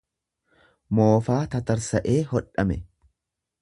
moofaa tatarsa'ee hodhame.